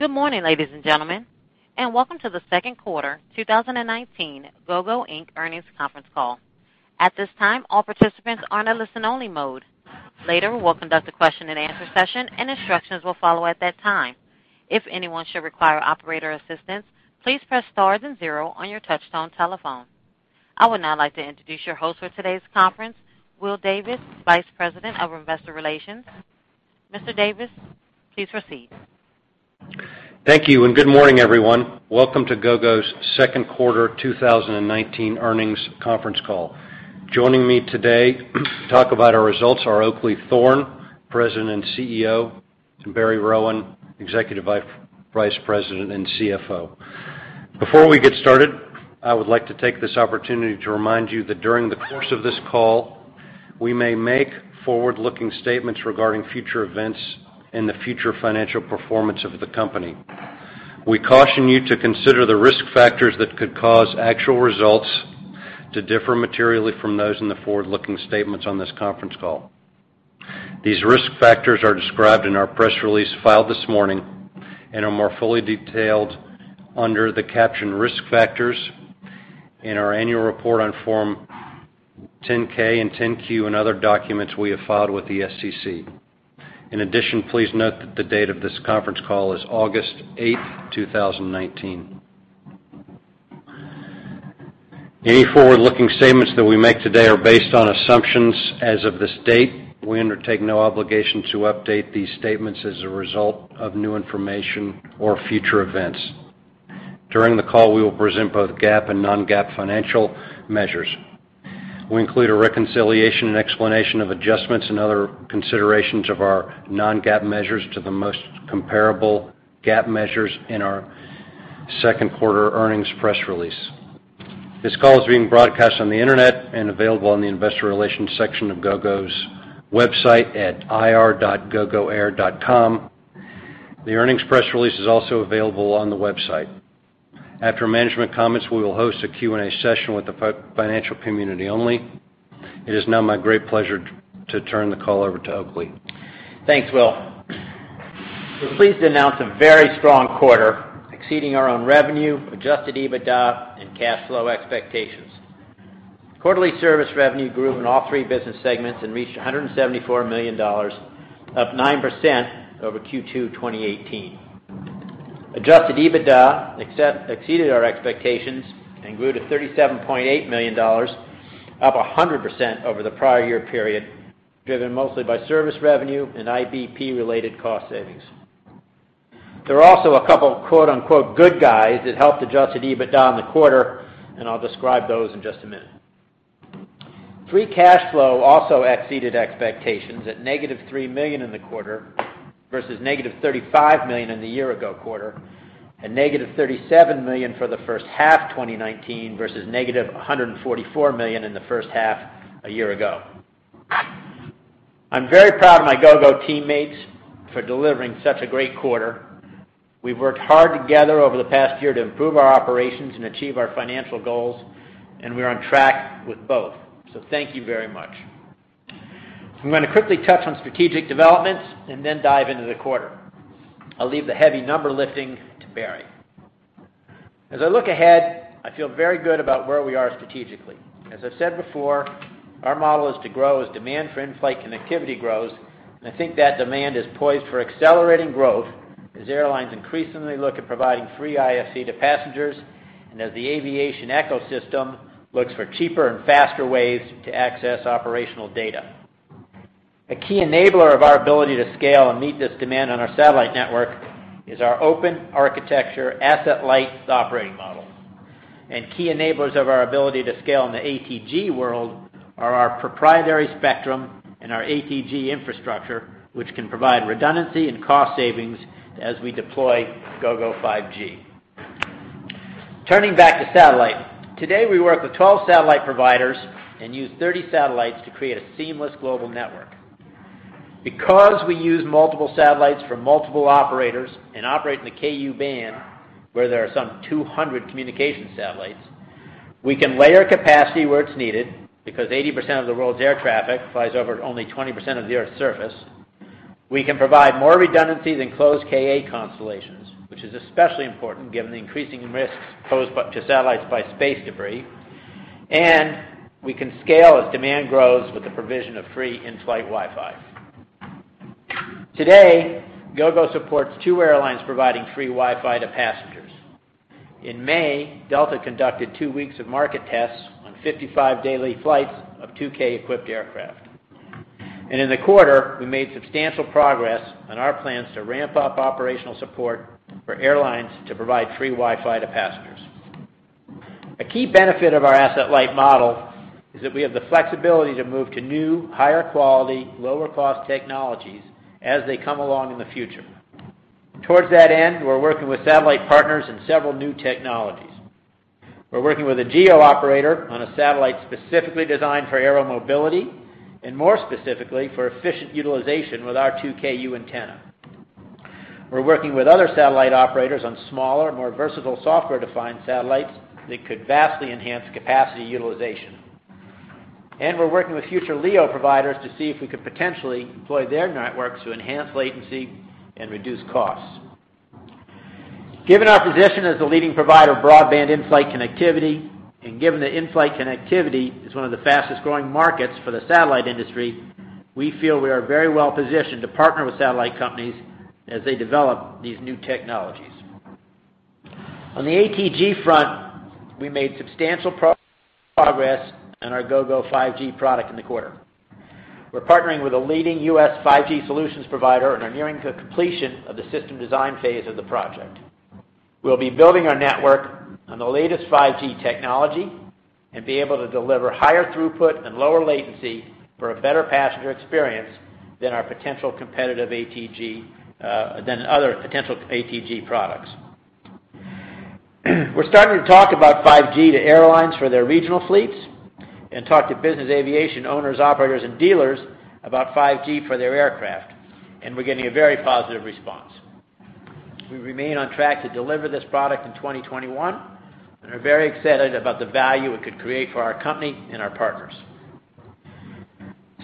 Good morning, ladies and gentlemen, and welcome to the second quarter 2019 Gogo Inc. earnings conference call. At this time, all participants are in a listen-only mode. Later, we'll conduct a question and answer session, and instructions will follow at that time. If anyone should require operator assistance, please press star then zero on your touchtone telephone. I would now like to introduce your host for today's conference, Will Davis, Vice President of Investor Relations. Mr. Davis, please proceed. Thank you. Good morning, everyone. Welcome to Gogo's second quarter 2019 earnings conference call. Joining me today to talk about our results are Oakleigh Thorne, President and CEO, and Barry Rowan, Executive Vice President and CFO. Before we get started, I would like to take this opportunity to remind you that during the course of this call, we may make forward-looking statements regarding future events and the future financial performance of the company. We caution you to consider the risk factors that could cause actual results to differ materially from those in the forward-looking statements on this conference call. These risk factors are described in our press release filed this morning and are more fully detailed under the captioned risk factors in our annual report on Form 10-K and 10-Q and other documents we have filed with the SEC. In addition, please note that the date of this conference call is August 8, 2019. Any forward-looking statements that we make today are based on assumptions as of this date. We undertake no obligation to update these statements as a result of new information or future events. During the call, we will present both GAAP and non-GAAP financial measures. We include a reconciliation and explanation of adjustments and other considerations of our non-GAAP measures to the most comparable GAAP measures in our second quarter earnings press release. This call is being broadcast on the internet and available on the investor relations section of Gogo's website at ir.gogoair.com. The earnings press release is also available on the website. After management comments, we will host a Q&A session with the financial community only. It is now my great pleasure to turn the call over to Oakleigh. Thanks, Will. We're pleased to announce a very strong quarter, exceeding our own revenue, adjusted EBITDA, and cash flow expectations. Quarterly service revenue grew in all three business segments and reached $174 million, up 9% over Q2 2018. Adjusted EBITDA exceeded our expectations and grew to $37.8 million, up 100% over the prior year period, driven mostly by service revenue and IBP-related cost savings. There are also a couple quote unquote "good guys" that helped adjust the EBITDA in the quarter, and I'll describe those in just a minute. Free cash flow also exceeded expectations at negative $3 million in the quarter versus negative $35 million in the year-ago quarter, and negative $37 million for the first half 2019 versus negative $144 million in the first half a year ago. I'm very proud of my Gogo teammates for delivering such a great quarter. We've worked hard together over the past year to improve our operations and achieve our financial goals, and we're on track with both. Thank you very much. I'm going to quickly touch on strategic developments and then dive into the quarter. I'll leave the heavy number lifting to Barry. As I look ahead, I feel very good about where we are strategically. As I've said before, our model is to grow as demand for in-flight connectivity grows, and I think that demand is poised for accelerating growth as airlines increasingly look at providing free IFC to passengers and as the aviation ecosystem looks for cheaper and faster ways to access operational data. A key enabler of our ability to scale and meet this demand on our satellite network is our open architecture, asset-light operating model. Key enablers of our ability to scale in the ATG world are our proprietary spectrum and our ATG infrastructure, which can provide redundancy and cost savings as we deploy Gogo 5G. Turning back to satellite. Today, we work with 12 satellite providers and use 30 satellites to create a seamless global network. Because we use multiple satellites from multiple operators and operate in the Ku-band, where there are some 200 communication satellites, we can layer capacity where it's needed because 80% of the world's air traffic flies over only 20% of the Earth's surface. We can provide more redundancy than closed Ka-band constellations, which is especially important given the increasing risks posed to satellites by space debris, and we can scale as demand grows with the provision of free in-flight Wi-Fi. Today, Gogo supports two airlines providing free Wi-Fi to passengers. In May, Delta conducted two weeks of market tests on 55 daily flights of 2Ku-equipped aircraft. In the quarter, we made substantial progress on our plans to ramp up operational support for airlines to provide free Wi-Fi to passengers. A key benefit of our asset-light model is that we have the flexibility to move to new, higher quality, lower cost technologies as they come along in the future. Towards that end, we're working with satellite partners in several new technologies. We're working with a GEO operator on a satellite specifically designed for aeromobility, and more specifically, for efficient utilization with our 2Ku antenna. We're working with other satellite operators on smaller, more versatile software-defined satellites that could vastly enhance capacity utilization. We're working with future LEO providers to see if we could potentially employ their networks to enhance latency and reduce costs. Given our position as the leading provider of broadband in-flight connectivity, and given that in-flight connectivity is one of the fastest-growing markets for the satellite industry, we feel we are very well positioned to partner with satellite companies as they develop these new technologies. On the ATG front, we made substantial progress on our Gogo 5G product in the quarter. We're partnering with a leading U.S. 5G solutions provider and are nearing completion of the system design phase of the project. We'll be building our network on the latest 5G technology and be able to deliver higher throughput and lower latency for a better passenger experience than other potential ATG products. We're starting to talk about 5G to airlines for their regional fleets and talk to business aviation owners, operators, and dealers about 5G for their aircraft, and we're getting a very positive response. We remain on track to deliver this product in 2021 and are very excited about the value it could create for our company and our partners.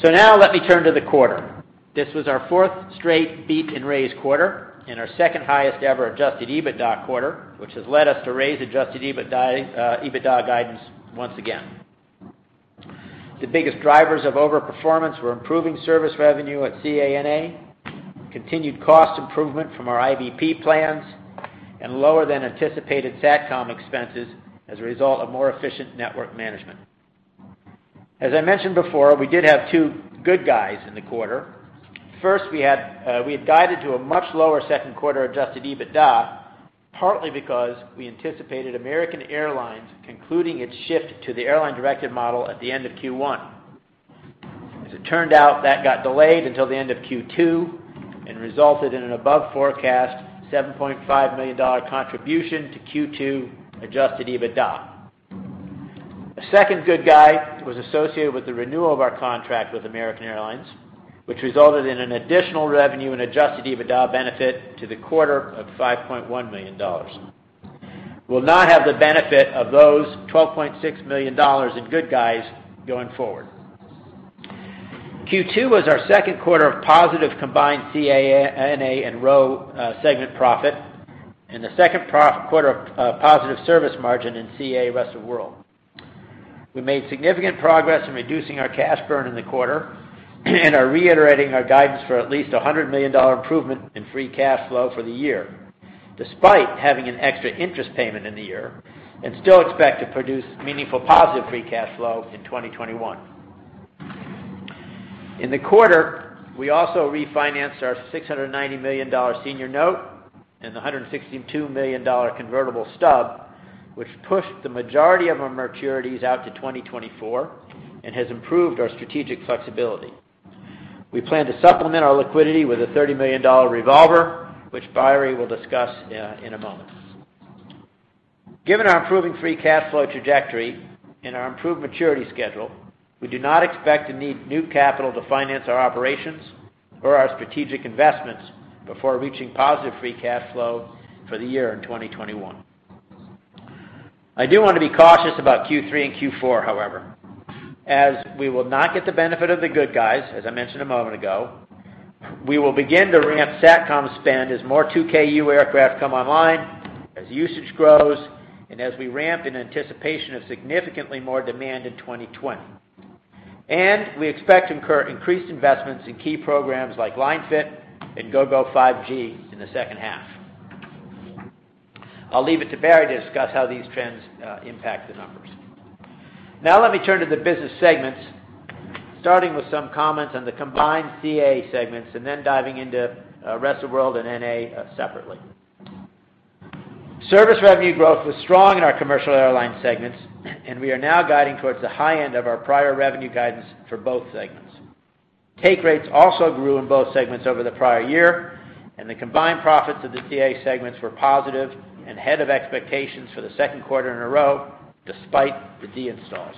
Now let me turn to the quarter. This was our fourth straight beat and raise quarter and our second highest ever adjusted EBITDA quarter, which has led us to raise adjusted EBITDA guidance once again. The biggest drivers of over-performance were improving service revenue at CA-NA, continued cost improvement from our IBP plans, and lower than anticipated Satcom expenses as a result of more efficient network management. As I mentioned before, we did have two good guys in the quarter. First, we had guided to a much lower second quarter adjusted EBITDA, partly because we anticipated American Airlines concluding its shift to the airline-directed model at the end of Q1. As it turned out, that got delayed until the end of Q2 and resulted in an above forecast $7.5 million contribution to Q2 adjusted EBITDA. A second good guy was associated with the renewal of our contract with American Airlines, which resulted in an additional revenue and adjusted EBITDA benefit to the quarter of $5.1 million. We'll not have the benefit of those $12.6 million in good guys going forward. Q2 was our second quarter of positive combined CA-NA and ROW segment profit and the second quarter of positive service margin in CA-ROW. We made significant progress in reducing our cash burn in the quarter and are reiterating our guidance for at least $100 million improvement in free cash flow for the year, despite having an extra interest payment in the year, and still expect to produce meaningful positive free cash flow in 2021. In the quarter, we also refinanced our $690 million senior note and the $162 million convertible stub, which pushed the majority of our maturities out to 2024 and has improved our strategic flexibility. We plan to supplement our liquidity with a $30 million revolver, which Barry will discuss in a moment. Given our improving free cash flow trajectory and our improved maturity schedule, we do not expect to need new capital to finance our operations or our strategic investments before reaching positive free cash flow for the year in 2021. I do want to be cautious about Q3 and Q4, however, as we will not get the benefit of the good guys, as I mentioned a moment ago. We will begin to ramp Satcom spend as more 2Ku aircraft come online, as usage grows, and as we ramp in anticipation of significantly more demand in 2020. We expect to incur increased investments in key programs like Linefit and Gogo 5G in the second half. I'll leave it to Barry to discuss how these trends impact the numbers. Now let me turn to the business segments, starting with some comments on the combined CA segments and then diving into rest of world and NA separately. Service revenue growth was strong in our commercial airline segments, and we are now guiding towards the high end of our prior revenue guidance for both segments. Take rates also grew in both segments over the prior year, and the combined profits of the CA segments were positive and ahead of expectations for the second quarter in a row, despite the deinstalls.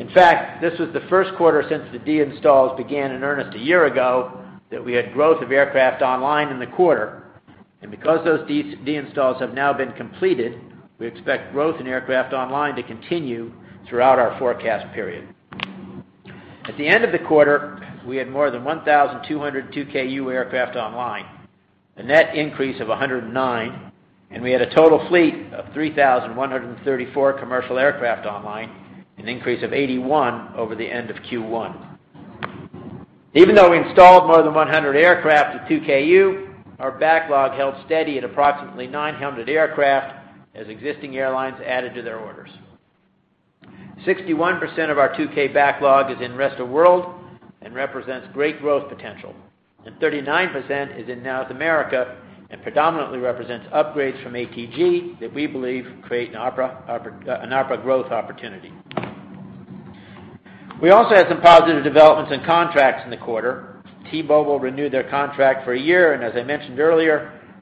In fact, this was the first quarter since the deinstalls began in earnest a year ago that we had growth of aircraft online in the quarter. Because those deinstalls have now been completed, we expect growth in aircraft online to continue throughout our forecast period. At the end of the quarter, we had more than 1,202 2Ku aircraft online, a net increase of 109, and we had a total fleet of 3,134 commercial aircraft online, an increase of 81 over the end of Q1. Even though we installed more than 100 aircraft to 2Ku, our backlog held steady at approximately 900 aircraft as existing airlines added to their orders. 61% of our 2Ku backlog is in rest of world and represents great growth potential, 39% is in North America and predominantly represents upgrades from ATG that we believe create an operating growth opportunity. We also had some positive developments in contracts in the quarter. T-Mobile renewed their contract for a year.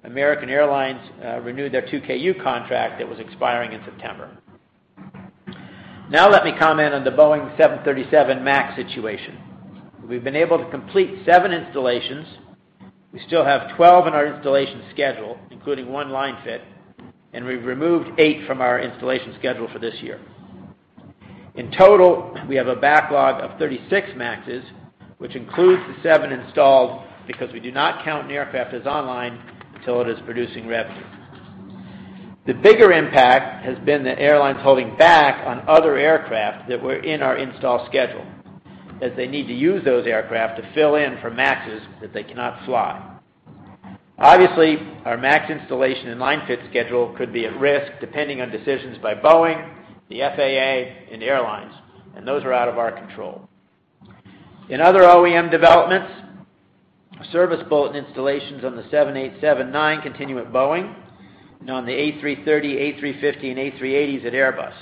American Airlines renewed their 2Ku contract that was expiring in September. Now let me comment on the Boeing 737 MAX situation. We've been able to complete seven installations. We still have 12 in our installation schedule, including one linefit, and we've removed eight from our installation schedule for this year. In total, we have a backlog of 36 MAXs, which includes the seven installed because we do not count an aircraft as online until it is producing revenue. The bigger impact has been the airlines holding back on other aircraft that were in our install schedule, as they need to use those aircraft to fill in for MAXs that they cannot fly. Our MAX installation and line fit schedule could be at risk depending on decisions by Boeing, the FAA, and the airlines, and those are out of our control. In other OEM developments, service bulletin installations on the 787-9 continue at Boeing, and on the A330, A350, and A380s at Airbus.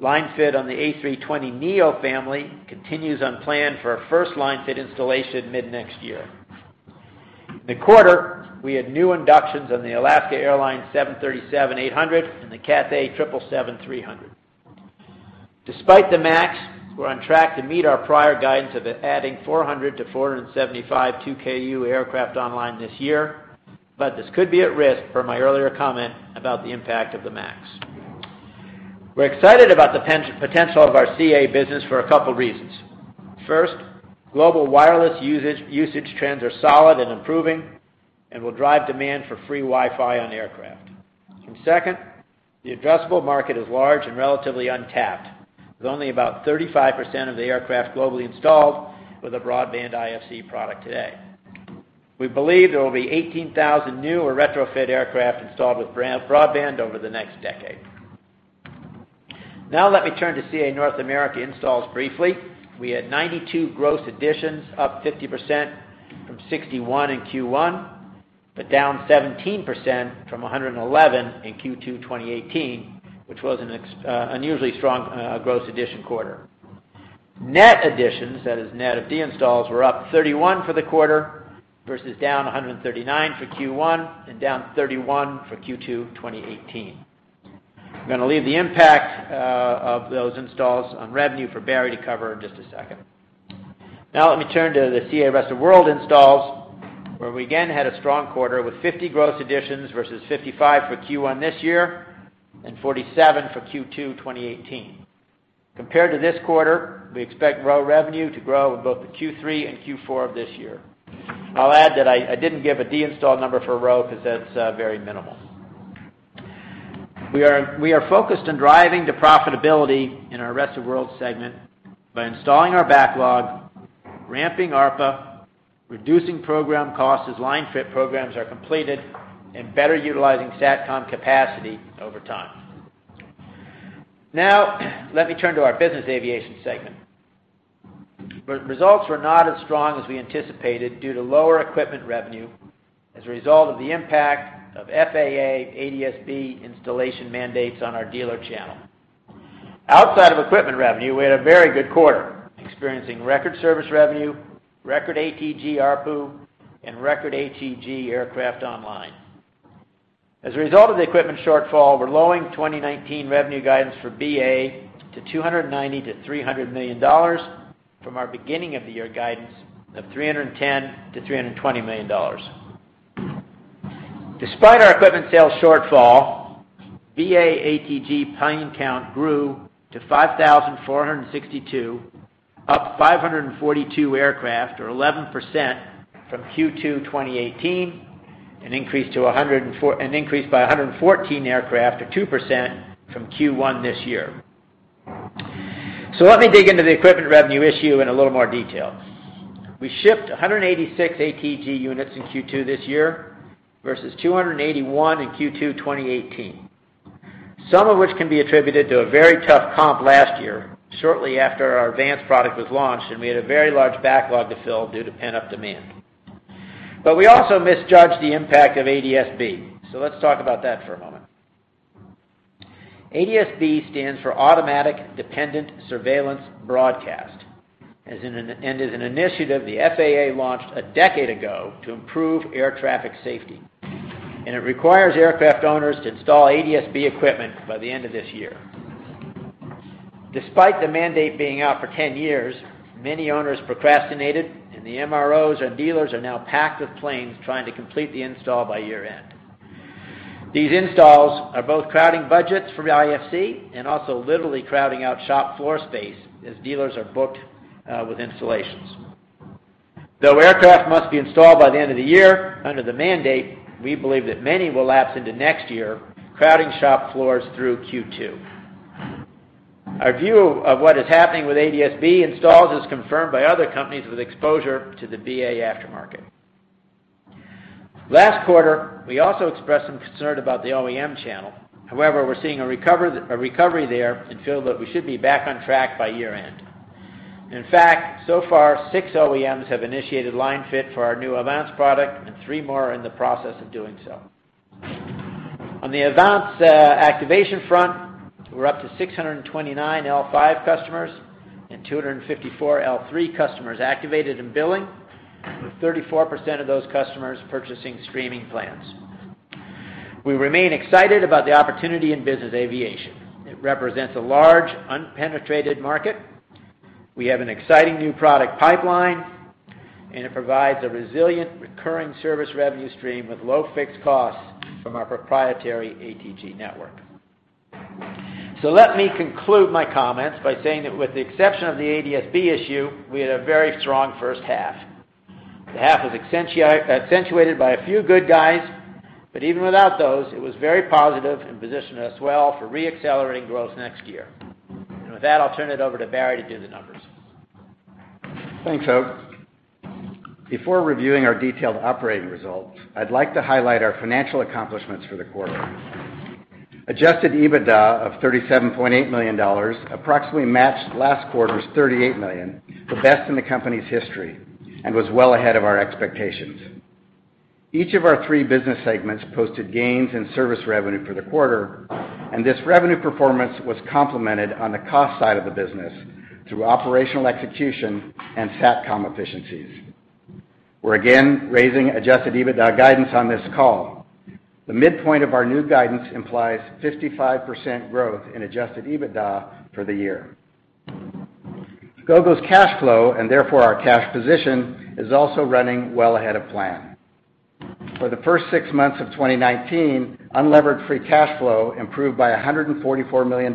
Line fit on the A320neo family continues on plan for a first line fit installation mid-next year. In the quarter, we had new inductions on the Alaska Airlines 737-800 and the Cathay 777-300. Despite the MAX, we're on track to meet our prior guidance of adding 400 to 475 2Ku aircraft online this year, but this could be at risk per my earlier comment about the impact of the MAX. We're excited about the potential of our CA business for a couple reasons. First, global wireless usage trends are solid and improving and will drive demand for free Wi-Fi on aircraft. Second, the addressable market is large and relatively untapped, with only about 35% of the aircraft globally installed with a broadband IFC product today. We believe there will be 18,000 new or retrofit aircraft installed with broadband over the next decade. Now let me turn to CA North America installs briefly. We had 92 gross additions, up 50% from 61 in Q1, but down 17% from 111 in Q2 2018, which was an unusually strong gross addition quarter. Net additions, that is net of deinstalls, were up 31 for the quarter versus down 139 for Q1 and down 31 for Q2 2018. I'm going to leave the impact of those installs on revenue for Barry to cover in just a second. Now let me turn to the CA Rest of World installs, where we again had a strong quarter with 50 gross additions versus 55 for Q1 this year and 47 for Q2 2018. Compared to this quarter, we expect ROW revenue to grow in both the Q3 and Q4 of this year. I'll add that I didn't give a deinstall number for ROW because that's very minimal. We are focused on driving to profitability in our Rest of World segment by installing our backlog, ramping ARPA, reducing program costs as line fit programs are completed, and better utilizing SATCOM capacity over time. Let me turn to our business aviation segment, where results were not as strong as we anticipated due to lower equipment revenue as a result of the impact of FAA ADS-B installation mandates on our dealer channel. Outside of equipment revenue, we had a very good quarter, experiencing record service revenue, record ATG ARPU, and record ATG aircraft online. Result of the equipment shortfall, we're lowering 2019 revenue guidance for BA to $290 million-$300 million from our beginning of the year guidance of $310 million-$320 million. Despite our equipment sales shortfall, BA ATG plane count grew to 5,462, up 542 aircraft or 11% from Q2 2018, an increase by 114 aircraft or 2% from Q1 this year. Let me dig into the equipment revenue issue in a little more detail. We shipped 186 ATG units in Q2 this year versus 281 in Q2 2018. Some of which can be attributed to a very tough comp last year, shortly after our AVANCE product was launched, and we had a very large backlog to fill due to pent-up demand. We also misjudged the impact of ADS-B. Let's talk about that for a moment. ADS-B stands for Automatic Dependent Surveillance-Broadcast, and is an initiative the FAA launched a decade ago to improve air traffic safety, and it requires aircraft owners to install ADS-B equipment by the end of this year. Despite the mandate being out for 10 years, many owners procrastinated, and the MROs and dealers are now packed with planes trying to complete the install by year-end. These installs are both crowding budgets for the IFC and also literally crowding out shop floor space as dealers are booked with installations. Though aircraft must be installed by the end of the year, under the mandate, we believe that many will lapse into next year, crowding shop floors through Q2. Our view of what is happening with ADS-B installs is confirmed by other companies with exposure to the BA aftermarket. Last quarter, we also expressed some concern about the OEM channel. However, we're seeing a recovery there and feel that we should be back on track by year-end. In fact, so far, six OEMs have initiated line fit for our new AVANCE product, and three more are in the process of doing so. On the AVANCE activation front, we're up to 629 L5 customers and 254 L3 customers activated and billing, with 34% of those customers purchasing streaming plans. We remain excited about the opportunity in business aviation. It represents a large, unpenetrated market. We have an exciting new product pipeline, and it provides a resilient recurring service revenue stream with low fixed costs from our proprietary ATG network. Let me conclude my comments by saying that with the exception of the ADS-B issue, we had a very strong first half. The half was accentuated by a few good guys, but even without those, it was very positive and positioned us well for re-accelerating growth next year. With that, I'll turn it over to Barry to do the numbers. Thanks, Oak. Before reviewing our detailed operating results, I'd like to highlight our financial accomplishments for the quarter. Adjusted EBITDA of $37.8 million approximately matched last quarter's $38 million, the best in the company's history, and was well ahead of our expectations. Each of our three business segments posted gains in service revenue for the quarter, and this revenue performance was complemented on the cost side of the business through operational execution and Satcom efficiencies. We're again raising adjusted EBITDA guidance on this call. The midpoint of our new guidance implies 55% growth in adjusted EBITDA for the year. Gogo's cash flow, and therefore our cash position, is also running well ahead of plan. For the first six months of 2019, unlevered free cash flow improved by $144 million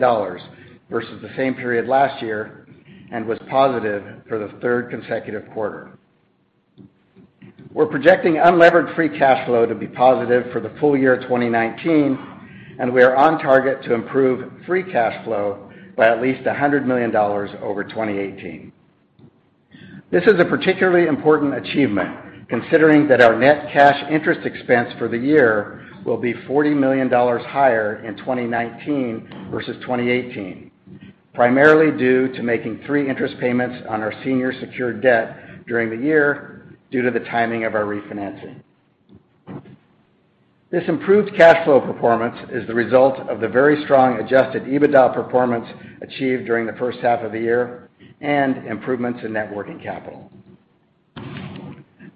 versus the same period last year and was positive for the third consecutive quarter. We're projecting unlevered free cash flow to be positive for the full year 2019, and we are on target to improve free cash flow by at least $100 million over 2018. This is a particularly important achievement considering that our net cash interest expense for the year will be $40 million higher in 2019 versus 2018, primarily due to making three interest payments on our senior secured debt during the year due to the timing of our refinancing. This improved cash flow performance is the result of the very strong adjusted EBITDA performance achieved during the first half of the year and improvements in net working capital.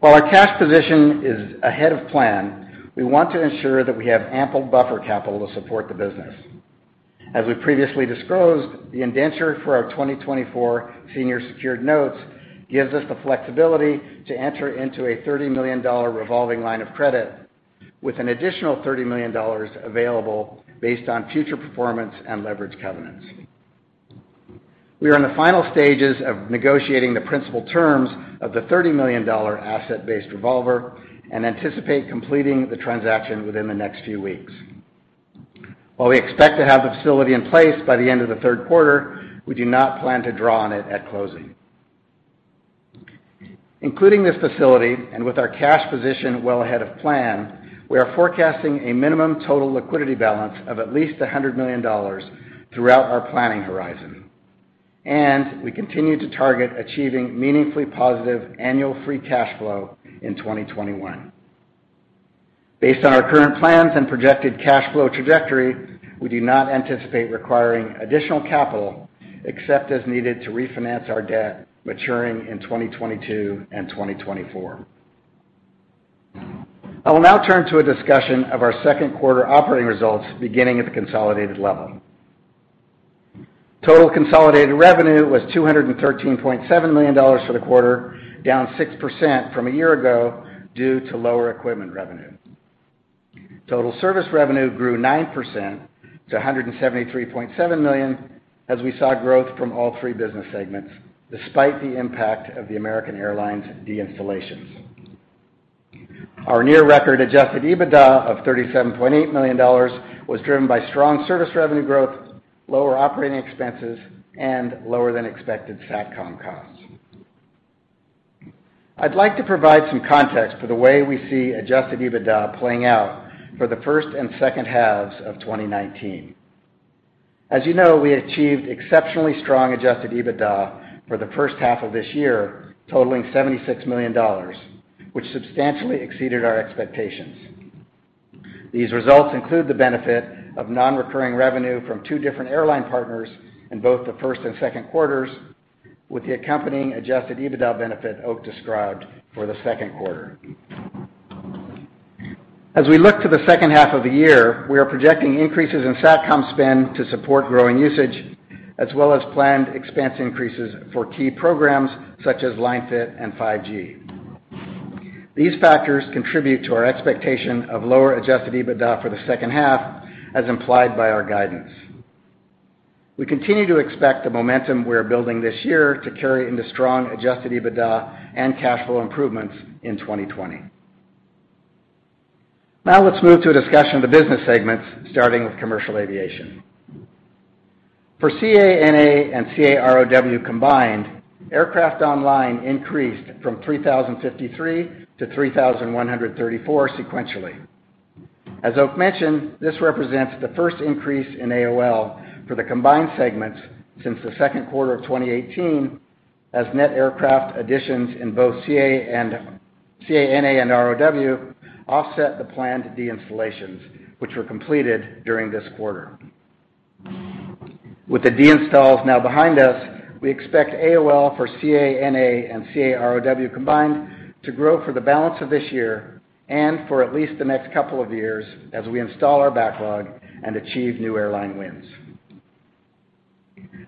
While our cash position is ahead of plan, we want to ensure that we have ample buffer capital to support the business. As we previously disclosed, the indenture for our 2024 senior secured notes gives us the flexibility to enter into a $30 million revolving line of credit with an additional $30 million available based on future performance and leverage covenants. We are in the final stages of negotiating the principal terms of the $30 million asset-based revolver and anticipate completing the transaction within the next few weeks. While we expect to have the facility in place by the end of the third quarter, we do not plan to draw on it at closing. Including this facility and with our cash position well ahead of plan, we are forecasting a minimum total liquidity balance of at least $100 million throughout our planning horizon. We continue to target achieving meaningfully positive annual free cash flow in 2021. Based on our current plans and projected cash flow trajectory, we do not anticipate requiring additional capital except as needed to refinance our debt maturing in 2022 and 2024. I will now turn to a discussion of our second quarter operating results, beginning at the consolidated level. Total consolidated revenue was $213.7 million for the quarter, down 6% from a year ago due to lower equipment revenue. Total service revenue grew 9% to $173.7 million as we saw growth from all three business segments, despite the impact of the American Airlines deinstallations. Our near-record adjusted EBITDA of $37.8 million was driven by strong service revenue growth, lower operating expenses, and lower than expected Satcom costs. I'd like to provide some context for the way we see adjusted EBITDA playing out for the first and second halves of 2019. As you know, we achieved exceptionally strong adjusted EBITDA for the first half of this year, totaling $76 million, which substantially exceeded our expectations. These results include the benefit of non-recurring revenue from two different airline partners in both the first and second quarters, with the accompanying adjusted EBITDA benefit Oak described for the second quarter. As we look to the second half of the year, we are projecting increases in Satcom spend to support growing usage, as well as planned expense increases for key programs such as Linefit and 5G. These factors contribute to our expectation of lower adjusted EBITDA for the second half, as implied by our guidance. We continue to expect the momentum we are building this year to carry into strong adjusted EBITDA and cash flow improvements in 2020. Now let's move to a discussion of the business segments, starting with Commercial Aviation. For CA-NA and CA-ROW combined, aircraft online increased from 3,053 to 3,134 sequentially. As Oak mentioned, this represents the first increase in AOL for the combined segments since the second quarter of 2018, as net aircraft additions in both CA-NA and ROW offset the planned deinstallations, which were completed during this quarter. With the deinstalls now behind us, we expect AOL for CA-NA and CA-ROW combined to grow for the balance of this year and for at least the next couple of years as we install our backlog and achieve new airline wins.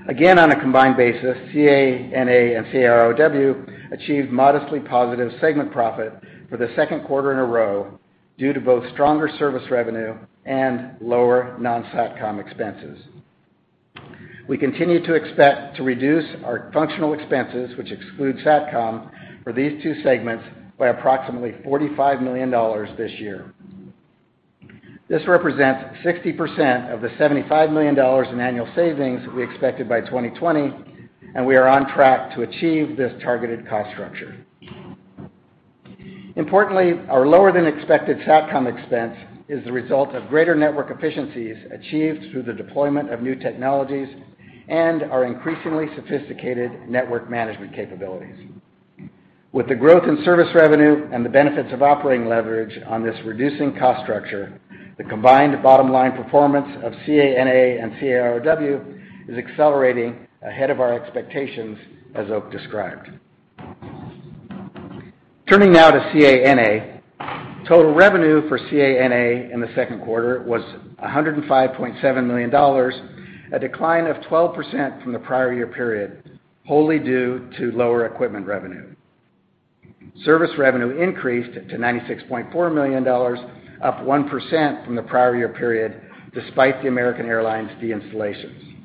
Again, on a combined basis, CA-NA and CA-ROW achieved modestly positive segment profit for the second quarter in a row due to both stronger service revenue and lower non-Satcom expenses. We continue to expect to reduce our functional expenses, which excludes Satcom, for these two segments by approximately $45 million this year. This represents 60% of the $75 million in annual savings we expected by 2020, and we are on track to achieve this targeted cost structure. Importantly, our lower than expected Satcom expense is the result of greater network efficiencies achieved through the deployment of new technologies and our increasingly sophisticated network management capabilities. With the growth in service revenue and the benefits of operating leverage on this reducing cost structure, the combined bottom line performance of CA-NA and CA-ROW is accelerating ahead of our expectations, as Oak described. Turning now to CA-NA. Total revenue for CA-NA in the second quarter was $105.7 million, a decline of 12% from the prior year period, wholly due to lower equipment revenue. Service revenue increased to $96.4 million, up 1% from the prior year period, despite the American Airlines deinstallations.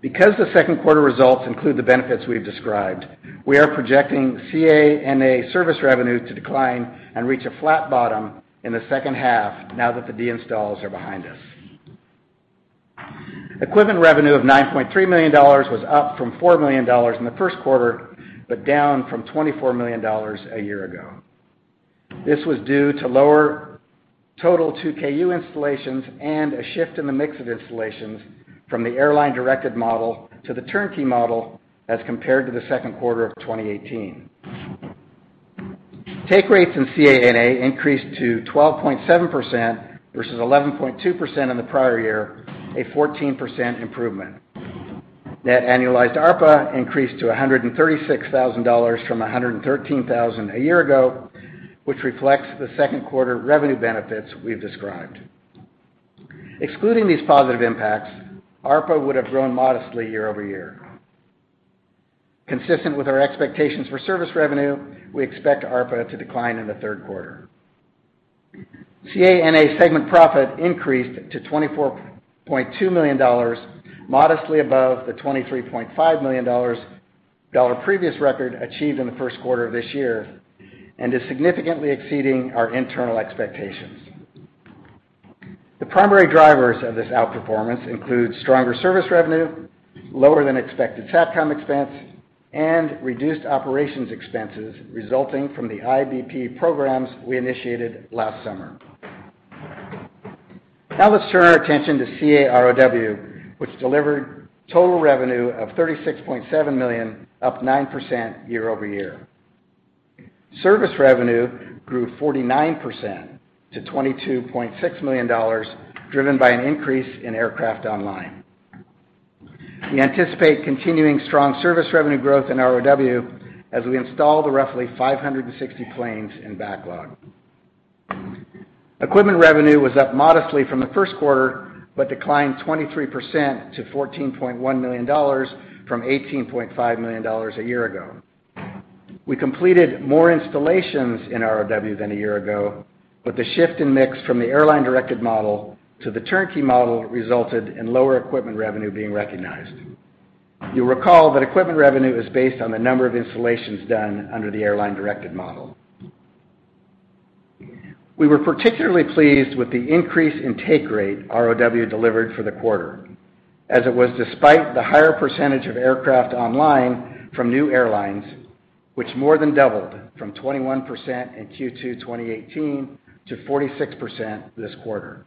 Because the second quarter results include the benefits we've described, we are projecting CA-NA service revenue to decline and reach a flat bottom in the second half now that the deinstalls are behind us. Equipment revenue of $9.3 million was up from $4 million in the first quarter, but down from $24 million a year ago. This was due to lower total 2Ku installations and a shift in the mix of installations from the airline-directed model to the turnkey model as compared to the second quarter of 2018. Take rates in CA-NA increased to 12.7% versus 11.2% in the prior year, a 14% improvement. Net annualized ARPA increased to $136,000 from $113,000 a year ago, which reflects the second quarter revenue benefits we've described. Excluding these positive impacts, ARPA would have grown modestly year-over-year. Consistent with our expectations for service revenue, we expect ARPA to decline in the third quarter. CA-NA segment profit increased to $24.2 million, modestly above the $23.5 million previous record achieved in the first quarter of this year and is significantly exceeding our internal expectations. The primary drivers of this outperformance include stronger service revenue, lower than expected Satcom expense, and reduced operations expenses resulting from the IBP programs we initiated last summer. Now let's turn our attention to CA-ROW, which delivered total revenue of $36.7 million, up 9% year-over-year. Service revenue grew 49% to $22.6 million, driven by an increase in aircraft online. We anticipate continuing strong service revenue growth in ROW as we install the roughly 560 planes in backlog. Equipment revenue was up modestly from the first quarter, but declined 23% to $14.1 million from $18.5 million a year ago. We completed more installations in ROW than a year ago, but the shift in mix from the airline-directed model to the turnkey model resulted in lower equipment revenue being recognized. You'll recall that equipment revenue is based on the number of installations done under the airline-directed model. We were particularly pleased with the increase in take rate ROW delivered for the quarter, as it was despite the higher percentage of aircraft online from new airlines, which more than doubled from 21% in Q2 2018 to 46% this quarter.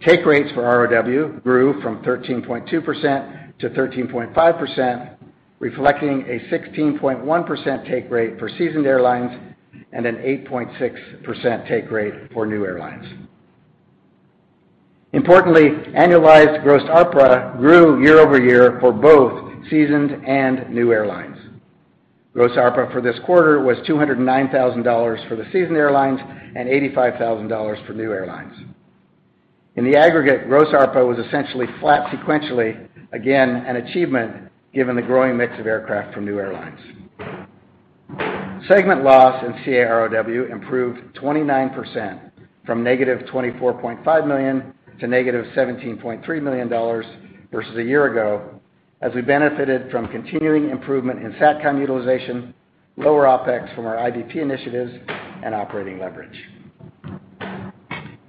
Take rates for ROW grew from 13.2% to 13.5%, reflecting a 16.1% take rate for seasoned airlines and an 8.6% take rate for new airlines. Importantly, annualized gross ARPA grew year-over-year for both seasoned and new airlines. Gross ARPA for this quarter was $209,000 for the seasoned airlines and $85,000 for new airlines. In the aggregate, gross ARPA was essentially flat sequentially. Again, an achievement given the growing mix of aircraft from new airlines. Segment loss in CA ROW improved 29%, from negative $24.5 million to negative $17.3 million versus a year ago, as we benefited from continuing improvement in Satcom utilization, lower OpEx from our IBP initiatives, and operating leverage.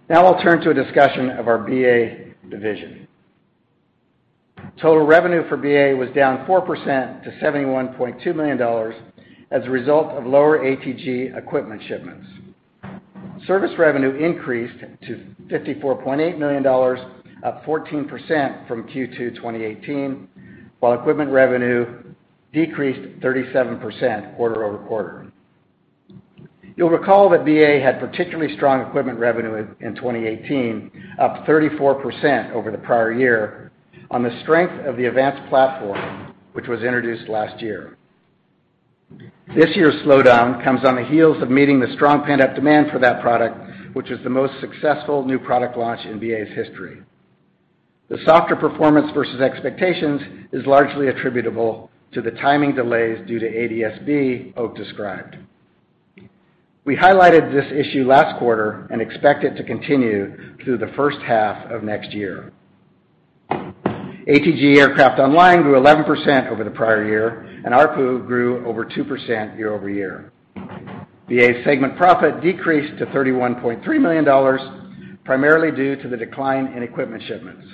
I'll turn to a discussion of our BA division. Total revenue for BA was down 4% to $71.2 million as a result of lower ATG equipment shipments. Service revenue increased to $54.8 million, up 14% from Q2 2018, while equipment revenue decreased 37% quarter-over-quarter. You'll recall that BA had particularly strong equipment revenue in 2018, up 34% over the prior year on the strength of the AVANCE platform, which was introduced last year. This year's slowdown comes on the heels of meeting the strong pent-up demand for that product, which is the most successful new product launch in BA's history. The softer performance versus expectations is largely attributable to the timing delays due to ADS-B Oak described. We highlighted this issue last quarter and expect it to continue through the first half of next year. ATG Aircraft online grew 11% over the prior year, and ARPU grew over 2% year-over-year. BA's segment profit decreased to $31.3 million, primarily due to the decline in equipment shipments.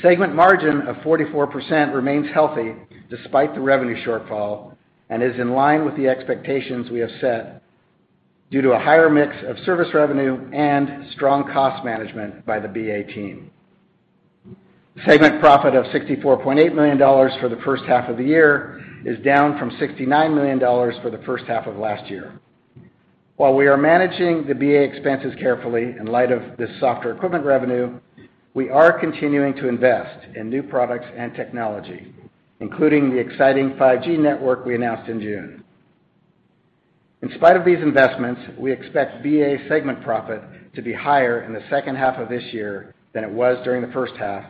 Segment margin of 44% remains healthy despite the revenue shortfall and is in line with the expectations we have set due to a higher mix of service revenue and strong cost management by the BA team. Segment profit of $64.8 million for the first half of the year is down from $69 million for the first half of last year. While we are managing the CA expenses carefully in light of this softer equipment revenue, we are continuing to invest in new products and technology, including the exciting 5G network we announced in June. In spite of these investments, we expect CA segment profit to be higher in the second half of this year than it was during the first half,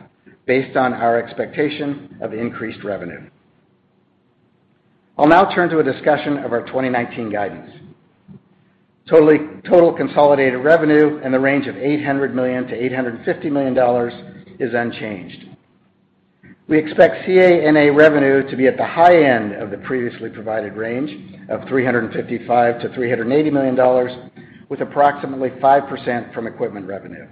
based on our expectation of increased revenue. I'll now turn to a discussion of our 2019 guidance. Total consolidated revenue in the range of $800 million to $850 million is unchanged. We expect CA-NA revenue to be at the high end of the previously provided range of $355 million-$380 million, with approximately 5% from equipment revenue.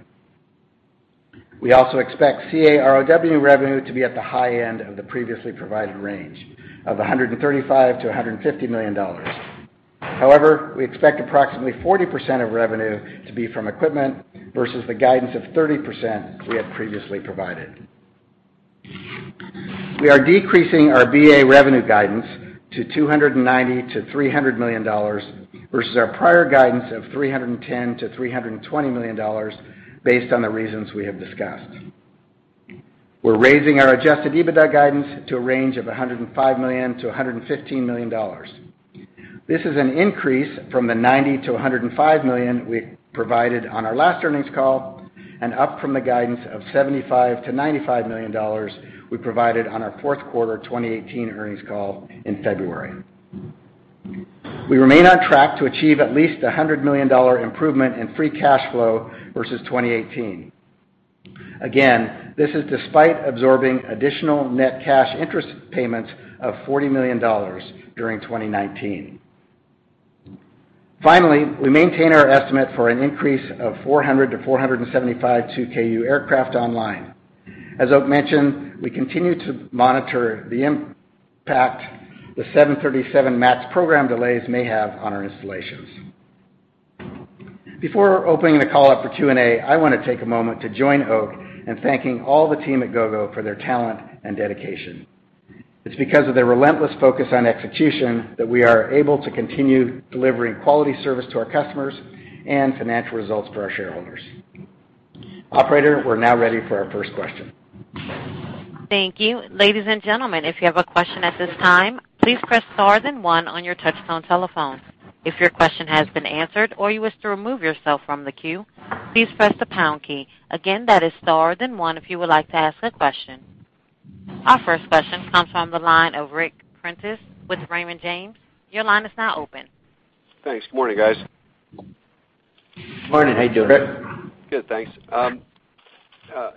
We also expect CA-ROW revenue to be at the high end of the previously provided range of $135 million-$150 million. However, we expect approximately 40% of revenue to be from equipment versus the guidance of 30% we had previously provided. We are decreasing our BA revenue guidance to $290 million-$300 million versus our prior guidance of $310 million-$320 million, based on the reasons we have discussed. We're raising our adjusted EBITDA guidance to a range of $105 million-$115 million. This is an increase from the $90 million-$105 million we provided on our last earnings call and up from the guidance of $75 million-$95 million we provided on our fourth quarter 2018 earnings call in February. We remain on track to achieve at least $100 million improvement in free cash flow versus 2018. Again, this is despite absorbing additional net cash interest payments of $40 million during 2019. Finally, we maintain our estimate for an increase of 400 to 475 2Ku aircraft online. As Oak mentioned, we continue to monitor the impact the 737 MAX program delays may have on our installations. Before opening the call up for Q&A, I want to take a moment to join Oak in thanking all the team at Gogo for their talent and dedication. It's because of their relentless focus on execution that we are able to continue delivering quality service to our customers and financial results for our shareholders. Operator, we're now ready for our first question. Thank you. Ladies and gentlemen, if you have a question at this time, please press star then one on your touchtone telephone. If your question has been answered or you wish to remove yourself from the queue, please press the pound key. Again, that is star then one if you would like to ask a question. Our first question comes from the line of Ric Prentiss with Raymond James. Your line is now open. Thanks. Morning, guys. Morning. How you doing, Ric? Good, thanks.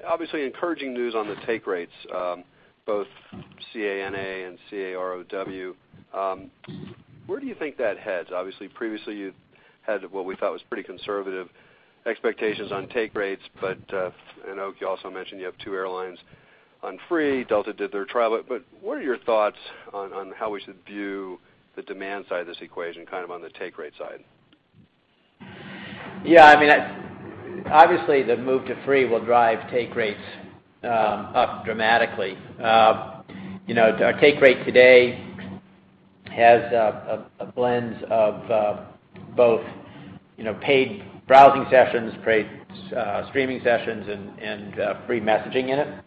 Obviously encouraging news on the take rates, both CA-NA and CA-ROW. Where do you think that heads? Obviously previously you had what we thought was pretty conservative expectations on take rates, but, and Oak, you also mentioned you have two airlines on free. Delta did their trial, but what are your thoughts on how we should view the demand side of this equation, on the take rate side? Obviously the move to free will drive take rates up dramatically. Our take rate today has a blend of both paid browsing sessions, paid streaming sessions, and free messaging in it.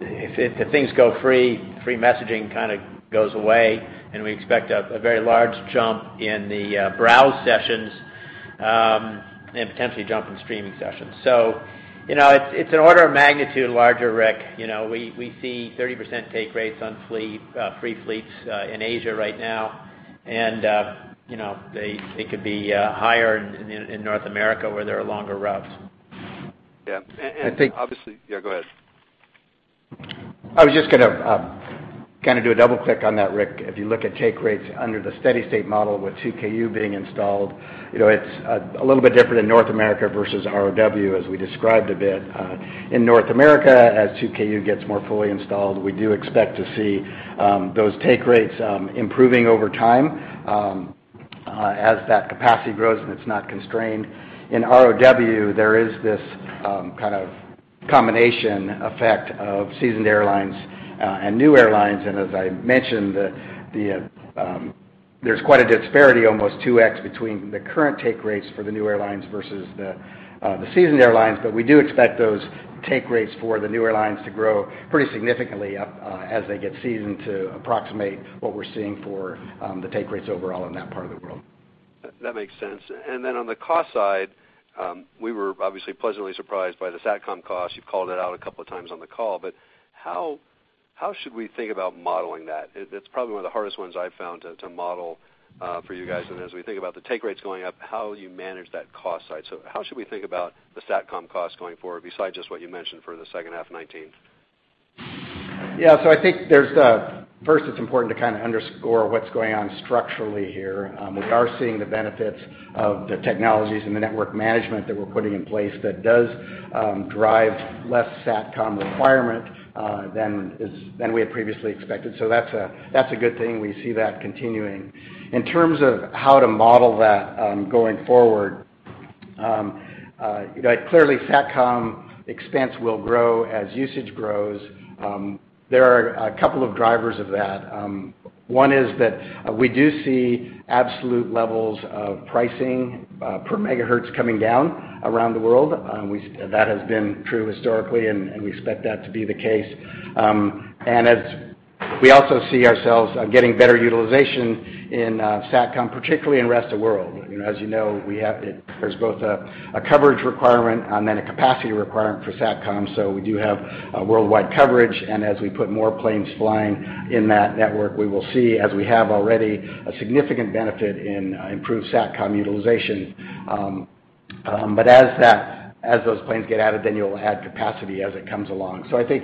If things go free messaging kind of goes away and we expect a very large jump in the browse sessions, and potentially a jump in streaming sessions. It's an order of magnitude larger, Ric. We see 30% take rates on free fleets in Asia right now, and they could be higher in North America where there are longer routes. Yeah. Yeah, go ahead. I was just going to kind of do a double click on that, Ric. If you look at take rates under the steady state model with 2Ku being installed, it's a little bit different in North America versus ROW, as we described a bit. In North America, as 2Ku gets more fully installed, we do expect to see those take rates improving over time. As that capacity grows and it's not constrained. In ROW, there is this combination effect of seasoned airlines and new airlines. As I mentioned, there's quite a disparity, almost two x between the current take rates for the new airlines versus the seasoned airlines. We do expect those take rates for the new airlines to grow pretty significantly up, as they get seasoned to approximate what we're seeing for the take rates overall in that part of the world. That makes sense. On the cost side, we were obviously pleasantly surprised by the SATCOM cost. You've called it out a couple of times on the call, but how should we think about modeling that? It's probably one of the hardest ones I've found to model for you guys. As we think about the take rates going up, how you manage that cost side. How should we think about the SATCOM cost going forward, besides just what you mentioned for the second half of 2019? First, it's important to underscore what's going on structurally here. We are seeing the benefits of the technologies and the network management that we're putting in place that does drive less SATCOM requirement than we had previously expected. That's a good thing. We see that continuing. In terms of how to model that going forward, clearly SATCOM expense will grow as usage grows. There are a couple of drivers of that. One is that we do see absolute levels of pricing per megahertz coming down around the world. That has been true historically, and we expect that to be the case. We also see ourselves getting better utilization in SATCOM, particularly in Rest of World. As you know, there's both a coverage requirement and then a capacity requirement for SATCOM. We do have worldwide coverage, and as we put more planes flying in that network, we will see, as we have already, a significant benefit in improved SATCOM utilization. As those planes get added, then you'll add capacity as it comes along. I think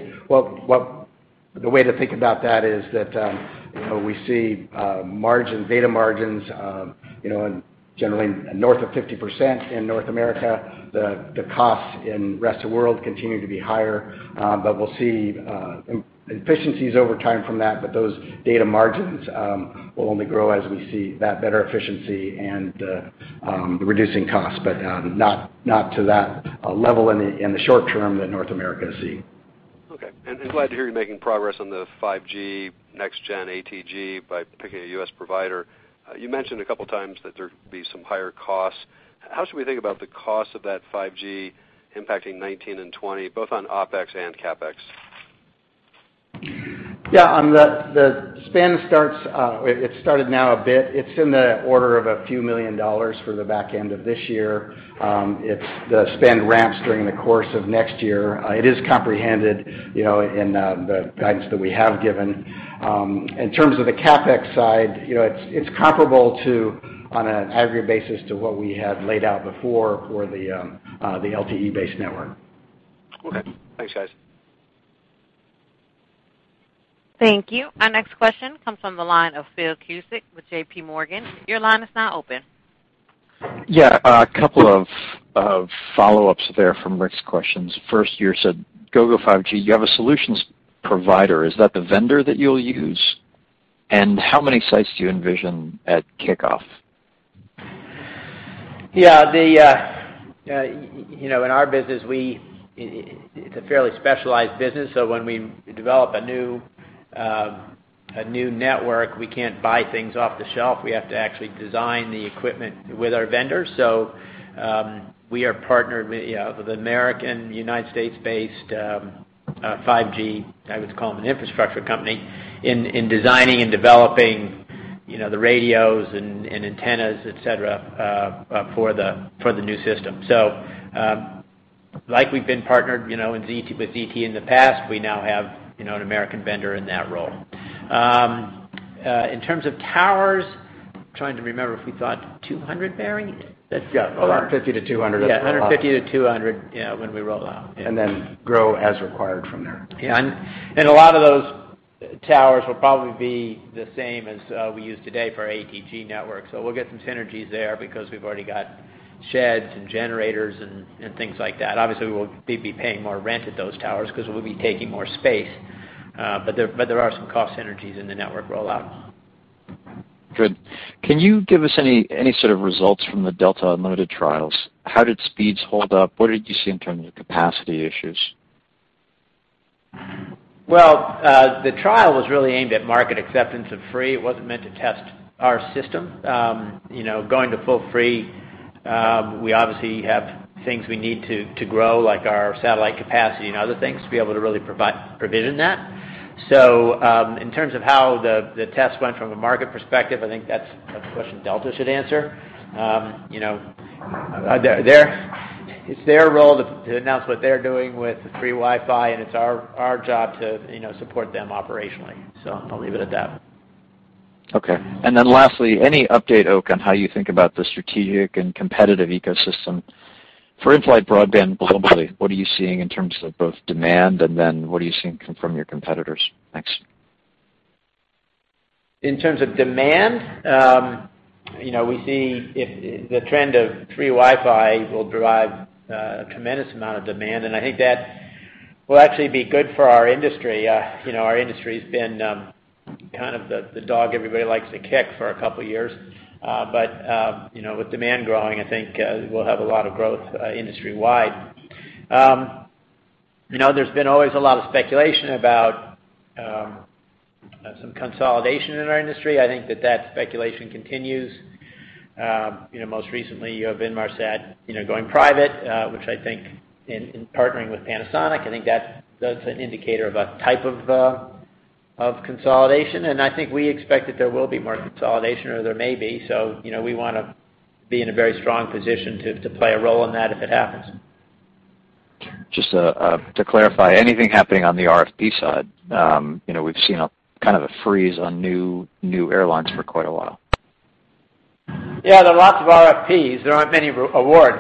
the way to think about that is that we see data margins generally north of 50% in North America. The costs in Rest of World continue to be higher. We'll see efficiencies over time from that. Those data margins will only grow as we see that better efficiency and the reducing costs, but not to that level in the short term that North America is seeing. Okay. Glad to hear you're making progress on the 5G next-gen ATG by picking a U.S. provider. You mentioned a couple of times that there'd be some higher costs. How should we think about the cost of that 5G impacting 2019 and 2020, both on OpEx and CapEx? It started now a bit. It's in the order of a few million dollars for the back end of this year. The spend ramps during the course of next year. It is comprehended in the guidance that we have given. In terms of the CapEx side, it's comparable on an aggregate basis to what we had laid out before for the LTE-based network. Okay. Thanks, guys. Thank you. Our next question comes from the line of Phil Cusick with J.P. Morgan. Your line is now open. Yeah. A couple of follow-ups there from Ric's questions. First, you said Gogo 5G, you have a solutions provider. Is that the vendor that you'll use? How many sites do you envision at kickoff? Yeah. In our business, it's a fairly specialized business, so when we develop a new network, we can't buy things off the shelf. We have to actually design the equipment with our vendors. We are partnered with an American U.S.-based 5G, I would call them an infrastructure company, in designing and developing the radios and antennas, et cetera, for the new system. Like we've been partnered with ZTE in the past, we now have an American vendor in that role. In terms of towers, I'm trying to remember if we thought 200, Barry? Yeah. 150 to 200. Yeah, 150 to 200, yeah, when we roll out. Grow as required from there. A lot of those towers will probably be the same as we use today for our ATG network. We'll get some synergies there because we've already got sheds and generators and things like that. Obviously, we'll be paying more rent at those towers because we'll be taking more space. There are some cost synergies in the network rollout. Good. Can you give us any sort of results from the Delta unlimited trials? How did speeds hold up? What did you see in terms of capacity issues? Well, the trial was really aimed at market acceptance of free. It wasn't meant to test our system. Going to full free, we obviously have things we need to grow, like our satellite capacity and other things to be able to really provision that. In terms of how the test went from a market perspective, I think that's a question Delta should answer. It's their role to announce what they're doing with the free Wi-Fi, and it's our job to support them operationally. I'll leave it at that. Okay. Lastly, any update, Oak, on how you think about the strategic and competitive ecosystem for in-flight broadband globally? What are you seeing in terms of both demand and then what are you seeing from your competitors? Thanks. In terms of demand, we see the trend of free Wi-Fi will drive a tremendous amount of demand. Will actually be good for our industry. Our industry's been kind of the dog everybody likes to kick for a couple of years. With demand growing, I think we'll have a lot of growth industry-wide. There's been always a lot of speculation about some consolidation in our industry. I think that that speculation continues. Most recently, you have Inmarsat going private, which I think in partnering with Panasonic, I think that's an indicator of a type of consolidation. I think we expect that there will be more consolidation or there may be. We want to be in a very strong position to play a role in that if it happens. Just to clarify, anything happening on the RFP side? We've seen a kind of a freeze on new airlines for quite a while. Yeah, there are lots of RFPs. There aren't many awards.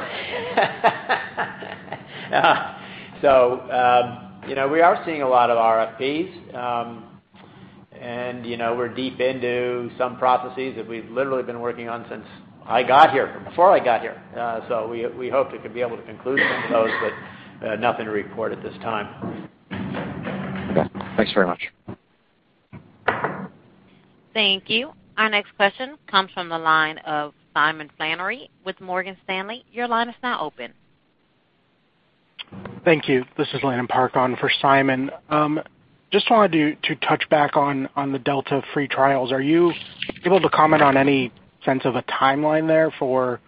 We are seeing a lot of RFPs. We're deep into some processes that we've literally been working on since I got here, from before I got here. We hope to be able to conclude some of those, but nothing to report at this time. Okay. Thanks very much. Thank you. Our next question comes from the line of Simon Flannery with Morgan Stanley. Your line is now open. Thank you. This is Landon Park on for Simon. Just wanted you to touch back on the Delta free trials. Are you able to comment on any sense of a timeline there for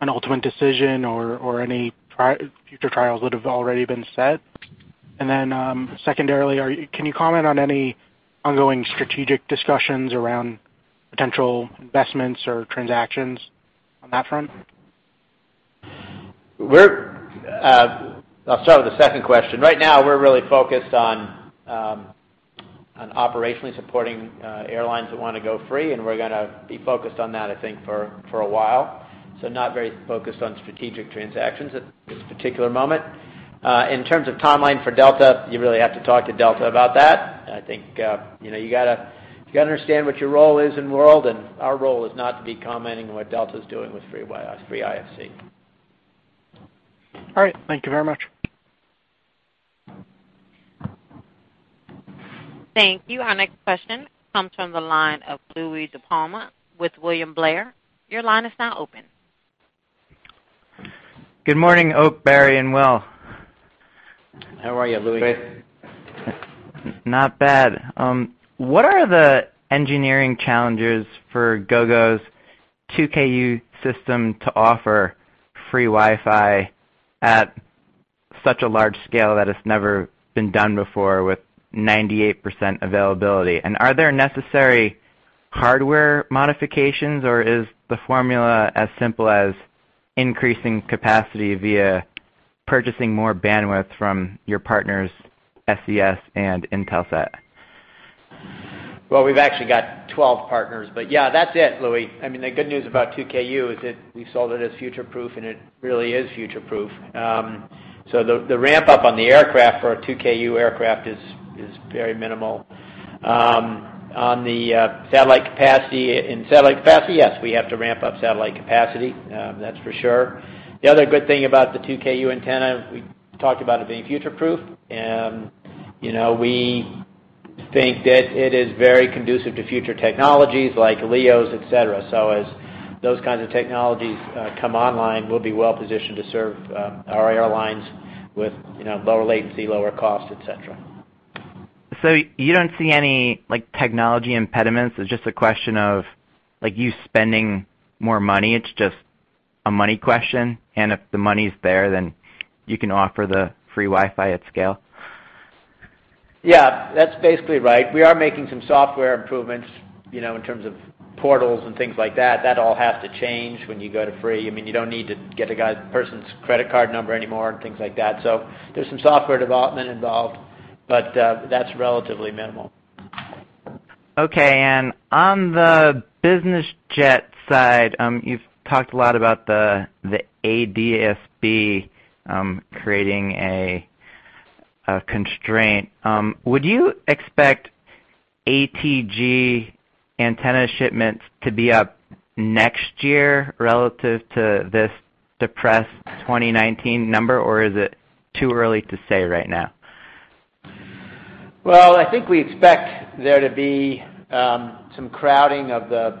an ultimate decision or any future trials that have already been set? Secondarily, can you comment on any ongoing strategic discussions around potential investments or transactions on that front? I'll start with the second question. Right now, we're really focused on operationally supporting airlines that want to go free, and we're going to be focused on that, I think, for a while. Not very focused on strategic transactions at this particular moment. In terms of timeline for Delta, you really have to talk to Delta about that. I think you got to understand what your role is in the world, and our role is not to be commenting on what Delta's doing with free IFC. All right. Thank you very much. Thank you. Our next question comes from the line of Louie DiPalma with William Blair. Your line is now open. Good morning, Oak, Barry, and Will. How are you, Louie? Great. Not bad. What are the engineering challenges for Gogo's 2Ku system to offer free Wi-Fi at such a large scale that has never been done before with 98% availability? Are there necessary hardware modifications, or is the formula as simple as increasing capacity via purchasing more bandwidth from your partners, SES and Intelsat? We've actually got 12 partners, yeah, that's it, Louie. I mean, the good news about 2Ku is that we sold it as future proof, it really is future proof. The ramp up on the aircraft for our 2Ku aircraft is very minimal. On the satellite capacity, in satellite capacity, yes, we have to ramp up satellite capacity. That's for sure. The other good thing about the 2Ku antenna, we talked about it being future proof. We think that it is very conducive to future technologies like LEOs, et cetera. As those kinds of technologies come online, we'll be well-positioned to serve our airlines with lower latency, lower cost, et cetera. You don't see any technology impediments? It's just a question of you spending more money. It's just a money question, and if the money's there, then you can offer the free Wi-Fi at scale? Yeah, that's basically right. We are making some software improvements, in terms of portals and things like that. That all has to change when you go to free. You don't need to get a person's credit card number anymore and things like that. There's some software development involved, but that's relatively minimal. Okay. On the business jet side, you've talked a lot about the ADS-B creating a constraint. Would you expect ATG antenna shipments to be up next year relative to this depressed 2019 number, or is it too early to say right now? Well, I think we expect there to be some crowding of the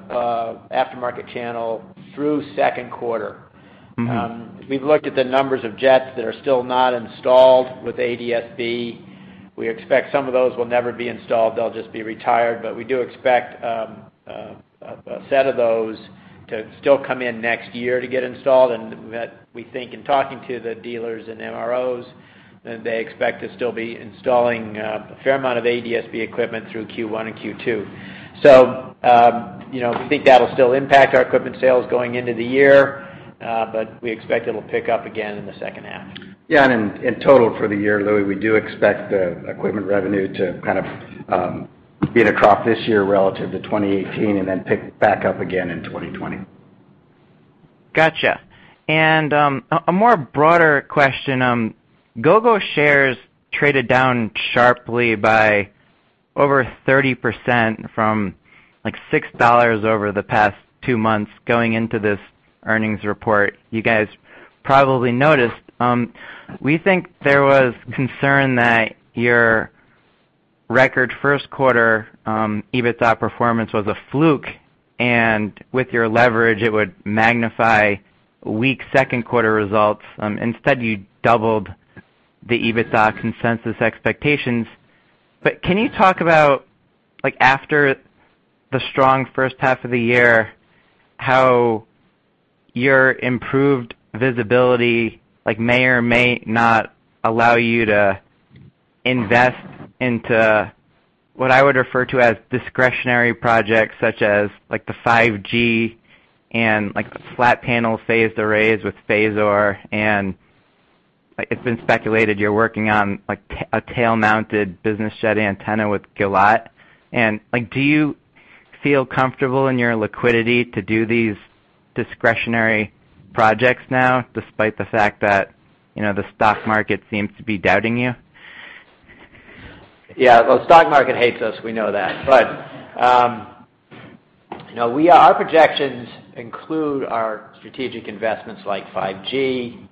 aftermarket channel through second quarter. We've looked at the numbers of jets that are still not installed with ADS-B. We expect some of those will never be installed. They'll just be retired. We do expect a set of those to still come in next year to get installed, and that we think in talking to the dealers and MROs, that they expect to still be installing a fair amount of ADS-B equipment through Q1 and Q2. We think that'll still impact our equipment sales going into the year, but we expect it'll pick up again in the second half. Yeah, in total for the year, Louie, we do expect the equipment revenue to kind of be in a trough this year relative to 2018 and then pick back up again in 2020. Gotcha. A more broader question. Gogo shares traded down sharply by over 30% from like $6 over the past two months going into this earnings report. You guys probably noticed. We think there was concern that your record first quarter EBITDA performance was a fluke, and with your leverage, it would magnify weak second quarter results. Instead, you doubled the EBITDA consensus expectations. Can you talk about, after the strong first half of the year, how your improved visibility may or may not allow you to invest into what I would refer to as discretionary projects such as the 5G and flat panel phased arrays with Phasor, and it's been speculated you're working on a tail-mounted business jet antenna with Gilat. Do you feel comfortable in your liquidity to do these discretionary projects now, despite the fact that the stock market seems to be doubting you? Yeah. Well, the stock market hates us. We know that. Our projections include our strategic investments like 5G.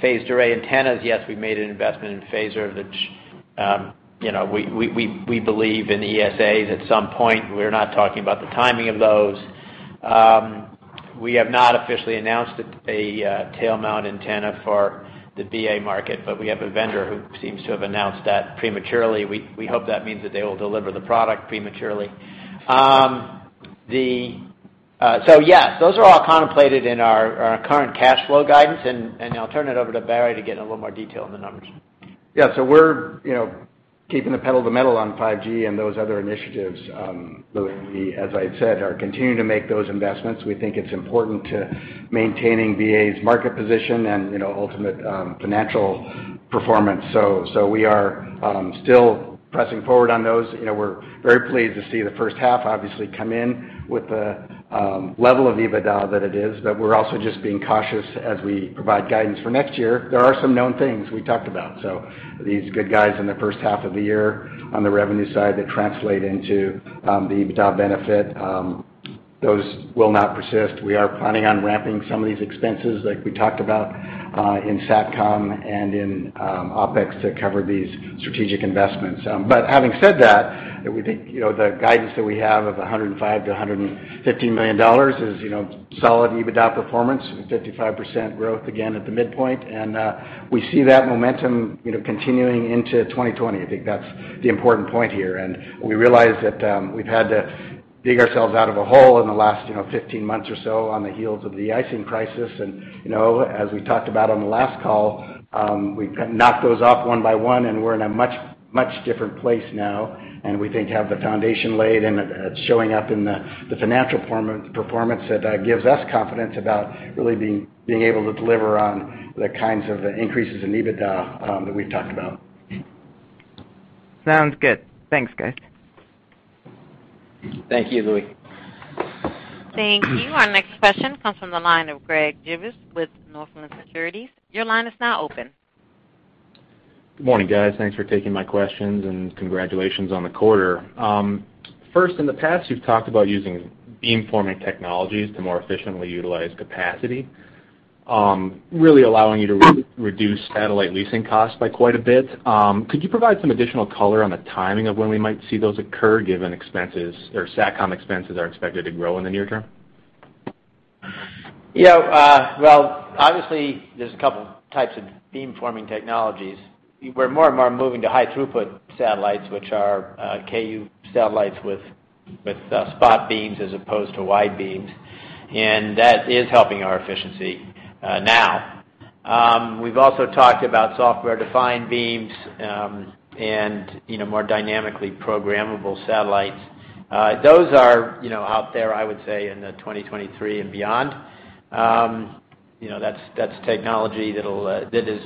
Phased array antennas, yes, we made an investment in Phasor, which we believe in ESAs at some point. We're not talking about the timing of those. We have not officially announced a tail mount antenna for the BA market, but we have a vendor who seems to have announced that prematurely. We hope that means that they will deliver the product prematurely. Yes, those are all contemplated in our current cash flow guidance, and I'll turn it over to Barry to get in a little more detail on the numbers. Yeah. We're keeping the pedal to the metal on 5G and those other initiatives. Louie, we, as I had said, are continuing to make those investments. We think it's important to maintaining BA's market position and ultimate financial performance. We are still pressing forward on those. We're very pleased to see the first half obviously come in with the level of EBITDA that it is, but we're also just being cautious as we provide guidance for next year. There are some known things we talked about. These good guys in the first half of the year on the revenue side that translate into the EBITDA benefit, those will not persist. We are planning on ramping some of these expenses, like we talked about, in Satcom and in OpEx to cover these strategic investments. Having said that, we think the guidance that we have of $105 million-$115 million is solid EBITDA performance, 55% growth again at the midpoint. We see that momentum continuing into 2020. I think that's the important point here, and we realize that we've had to dig ourselves out of a hole in the last 15 months or so on the heels of the icing crisis. As we talked about on the last call, we've knocked those off one by one, and we're in a much different place now. We think have the foundation laid, and it's showing up in the financial performance that gives us confidence about really being able to deliver on the kinds of increases in EBITDA that we've talked about. Sounds good. Thanks, guys. Thank you, Louie. Thank you. Our next question comes from the line of Greg Burns with Northland Securities. Your line is now open. Good morning, guys. Thanks for taking my questions and congratulations on the quarter. First, in the past, you've talked about using beamforming technologies to more efficiently utilize capacity, really allowing you to reduce satellite leasing costs by quite a bit. Could you provide some additional color on the timing of when we might see those occur, given expenses or Satcom expenses are expected to grow in the near term? Well, obviously, there's a couple types of beamforming technologies. We're more and more moving to high throughput satellites, which are Ku satellites with spot beams as opposed to wide beams. That is helping our efficiency now. We've also talked about software-defined beams and more dynamically programmable satellites. Those are out there, I would say, in the 2023 and beyond. That's technology that is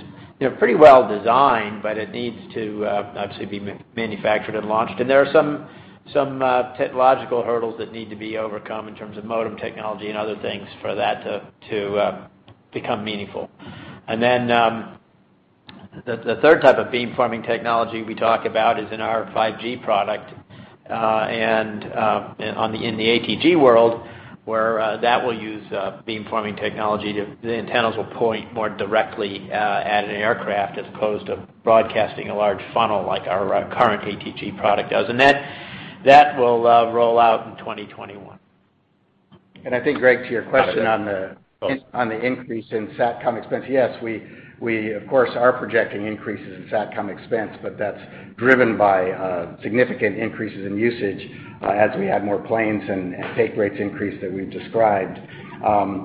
pretty well designed, but it needs to obviously be manufactured and launched. There are some technological hurdles that need to be overcome in terms of modem technology and other things for that to become meaningful. The third type of beamforming technology we talk about is in our 5G product, in the ATG world, where that will use beamforming technology. The antennas will point more directly at an aircraft as opposed to broadcasting a large funnel like our current ATG product does. That will roll out in 2021. I think, Greg, to your question on the increase in Satcom expense, yes, we of course, are projecting increases in Satcom expense, but that's driven by significant increases in usage as we add more planes and take rates increase that we've described.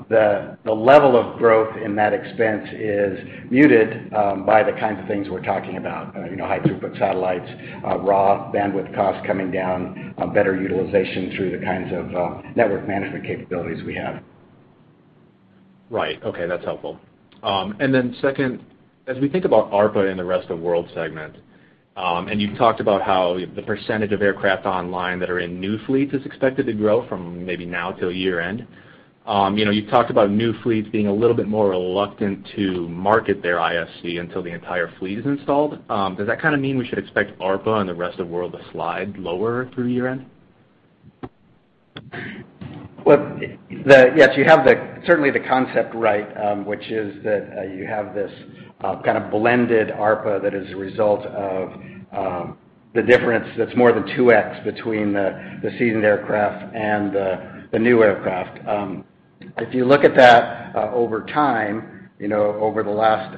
The level of growth in that expense is muted by the kinds of things we're talking about. High throughput satellites, raw bandwidth costs coming down, better utilization through the kinds of network management capabilities we have. Right. Okay, that's helpful. Second, as we think about ARPA in the Rest of World segment, you've talked about how the percentage of aircraft online that are in new fleets is expected to grow from maybe now till year-end. You've talked about new fleets being a little bit more reluctant to market their IFC until the entire fleet is installed. Does that mean we should expect ARPA and the Rest of World to slide lower through year-end? Well, yes, you have certainly the concept right, which is that you have this kind of blended ARPA that is a result of the difference that's more than 2x between the seasoned aircraft and the new aircraft. If you look at that over time, over the last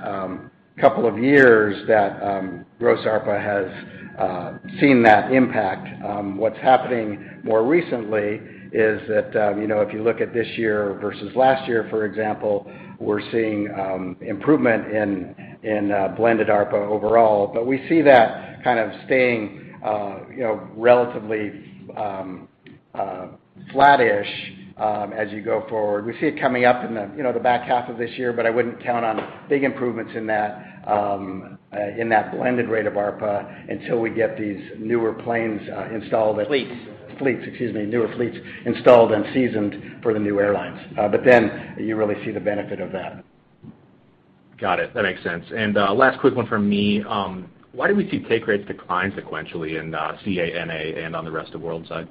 couple of years, that gross ARPA has seen that impact. What's happening more recently is that, if you look at this year versus last year, for example, we're seeing improvement in blended ARPA overall, but we see that kind of staying relatively flat-ish as you go forward. We see it coming up in the back half of this year, but I wouldn't count on big improvements in that blended rate of ARPA until we get these newer planes installed. Fleets. Fleets, excuse me. Newer fleets installed and seasoned for the new airlines. You really see the benefit of that. Got it. That makes sense. Last quick one from me. Why do we see take rates decline sequentially in CA-NA, and on the Rest of World side?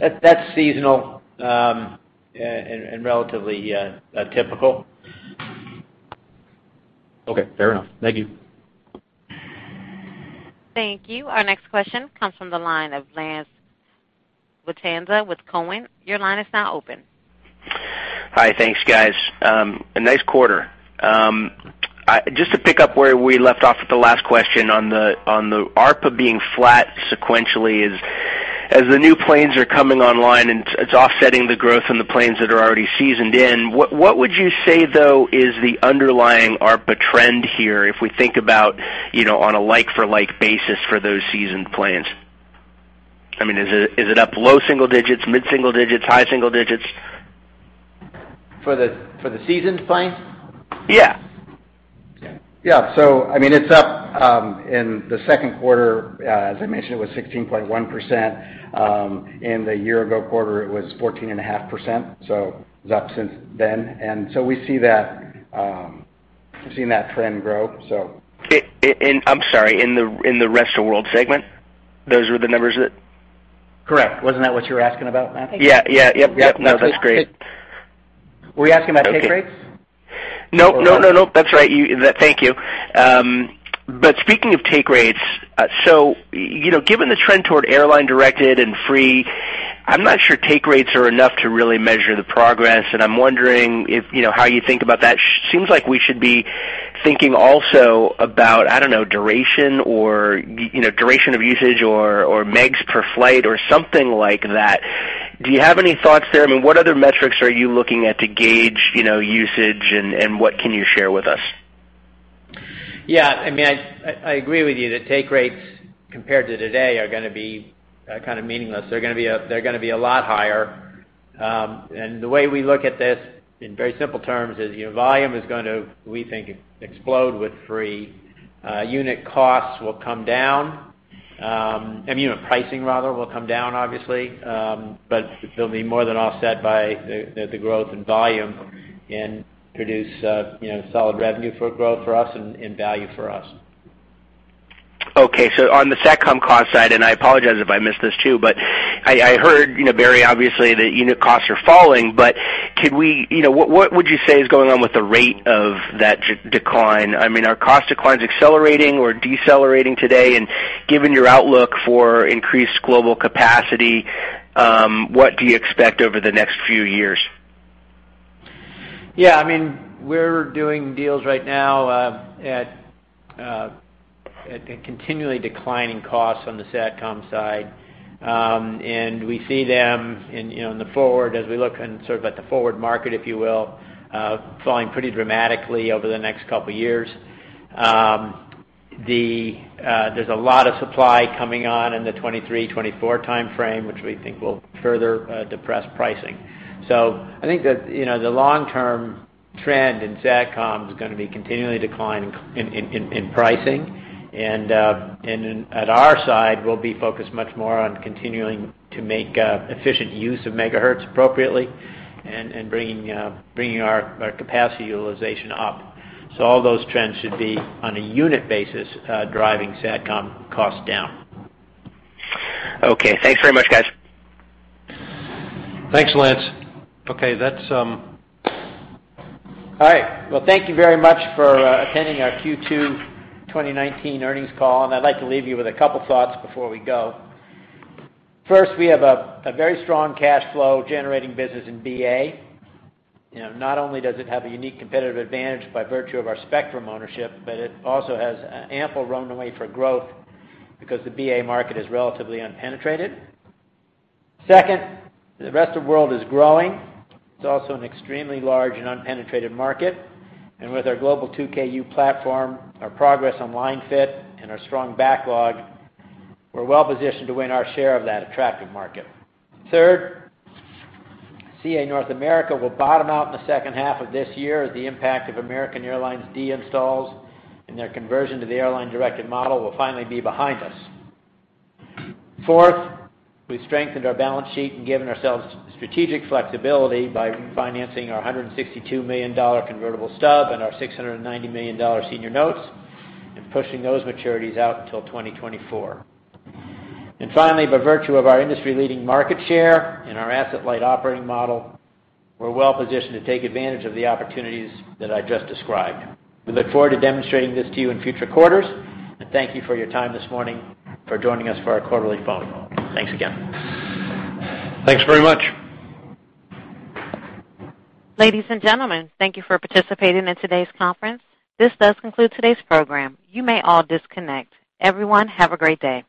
That's seasonal, and relatively typical. Okay, fair enough. Thank you. Thank you. Our next question comes from the line of Lance Vitanza with Cowen. Your line is now open. Hi. Thanks, guys. A nice quarter. Just to pick up where we left off with the last question on the ARPA being flat sequentially is, as the new planes are coming online, and it's offsetting the growth in the planes that are already seasoned in, what would you say, though, is the underlying ARPA trend here, if we think about on a like-for-like basis for those seasoned planes? Is it up low single digits, mid-single digits, high single digits? For the seasoned planes? Yeah. It's up in the second quarter. As I mentioned, it was 16.1%. In the year-ago quarter, it was 14.5%, so it was up since then. We've seen that trend grow. I'm sorry, in the Rest of World Segment? Those were the numbers that Correct. Wasn't that what you were asking about, Lance? Yeah. No, that's great. Were you asking about take rates? No. That's right. Thank you. Speaking of take rates, so given the trend toward airline-directed and free, I'm not sure take rates are enough to really measure the progress, and I'm wondering how you think about that. Seems like we should be thinking also about, I don't know, duration of usage or megs per flight or something like that. Do you have any thoughts there? What other metrics are you looking at to gauge usage, and what can you share with us? Yeah, I agree with you that take rates compared to today are going to be kind of meaningless. They're going to be a lot higher. The way we look at this in very simple terms is volume is going to, we think, explode with free. Unit costs will come down. Pricing rather will come down, obviously. They'll be more than offset by the growth in volume and produce solid revenue for growth for us and value for us. Okay. On the Satcom cost side, and I apologize if I missed this too, but I heard, very obviously, that unit costs are falling. What would you say is going on with the rate of that decline? Are cost declines accelerating or decelerating today? Given your outlook for increased global capacity, what do you expect over the next few years? Yeah. We're doing deals right now at continually declining costs on the Satcom side. We see them in the forward, as we look sort of at the forward market, if you will, falling pretty dramatically over the next couple of years. There's a lot of supply coming on in the 2023, 2024 timeframe, which we think will further depress pricing. I think that the long-term trend in Satcom is going to be continually declining in pricing. At our side, we'll be focused much more on continuing to make efficient use of megahertz appropriately and bringing our capacity utilization up. All those trends should be, on a unit basis, driving Satcom costs down. Okay. Thanks very much, guys. Thanks, Lance. Okay, that's. All right. Well, thank you very much for attending our Q2 2019 earnings call, and I'd like to leave you with a couple thoughts before we go. First, we have a very strong cash flow generating business in BA. Not only does it have a unique competitive advantage by virtue of our spectrum ownership, but it also has ample runway for growth because the BA market is relatively unpenetrated. Second, the rest of world is growing. It's also an extremely large and unpenetrated market. With our global 2Ku platform, our progress on Linefit, and our strong backlog, we're well-positioned to win our share of that attractive market. Third, CA North America will bottom out in the second half of this year as the impact of American Airlines deinstalls and their conversion to the airline-directed model will finally be behind us. Fourth, we've strengthened our balance sheet and given ourselves strategic flexibility by refinancing our $162 million convertible stub and our $690 million senior notes and pushing those maturities out until 2024. Finally, by virtue of our industry-leading market share and our asset-light operating model, we're well-positioned to take advantage of the opportunities that I just described. We look forward to demonstrating this to you in future quarters, and thank you for your time this morning for joining us for our quarterly phone call. Thanks again. Thanks very much. Ladies and gentlemen, thank you for participating in today's conference. This does conclude today's program. You may all disconnect. Everyone, have a great day.